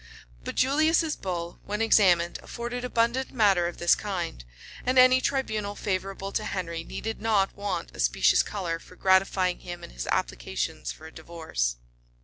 But Julius's bull, when examined, afforded abundant matter of this kind; and any tribunal favorable to Henry needed not want a specious color for gratifying him in his applications for a divorce.